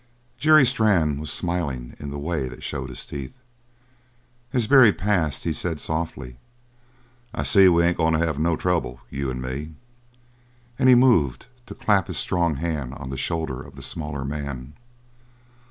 Jerry Strann was smiling in the way that showed his teeth. As Barry passed he said softly: "I see we ain't going to have no trouble, you and me!" and he moved to clap his strong hand on the shoulder of the smaller man.